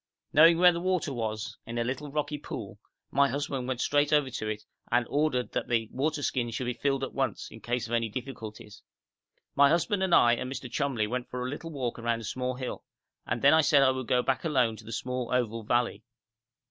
Knowing where the water was, in a little rocky pool, my husband went straight over to it, and ordered that the water skins should be filled at once, in case of any difficulties. My husband and I and Mr. Cholmley went for a little walk round a small hill, and then I said I would go back alone to the small, oval valley.